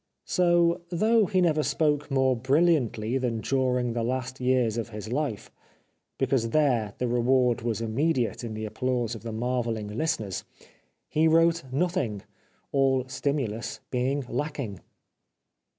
So though he never spoke more brilhantly than during the last years of his life, because there the reward was immediate in the applause of the marvelling listeners, he wrote nothing, all stimulus being lacking.